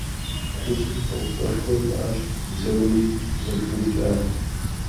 Тхылъым щӀэупщӀэшхуэ иӀащ, зэуи зэбгрыкӀат.